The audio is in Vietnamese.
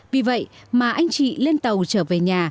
vì vậy mà anh chị lên tàu trở về nhà